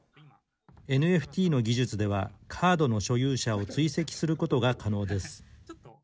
ＮＦＴの技術ではカードの所有者を追跡することが可能です。